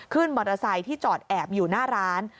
มอเตอร์ไซค์ที่จอดแอบอยู่หน้าร้าน